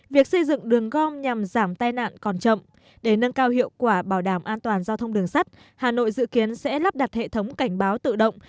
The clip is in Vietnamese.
việc xây dựng đường gom nhằm giảm tai nạn còn chậm để nâng cao hiệu quả bảo đảm an toàn giao thông đường sắt hà nội dự kiến sẽ lắp đặt hệ thống cảnh báo tự động